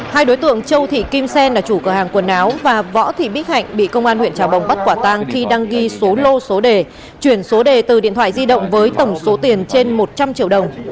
hai đối tượng châu thị kim xen là chủ cửa hàng quần áo và võ thị bích hạnh bị công an huyện trà bồng bắt quả tang khi đang ghi số lô số đề chuyển số đề từ điện thoại di động với tổng số tiền trên một trăm linh triệu đồng